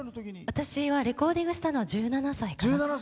私はレコーディングしたのは１７歳かな。